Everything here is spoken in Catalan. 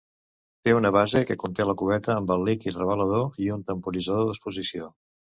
Té una base que conté la cubeta amb el líquid revelador i el temporitzador d'exposició.